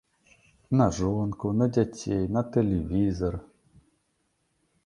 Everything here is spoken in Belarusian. На жонку, на дзяцей, на тэлевізар.